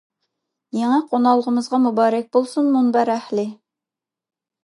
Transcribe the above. يېڭى قونالغۇمىزغا مۇبارەك بولسۇن مۇنبەر ئەھلى!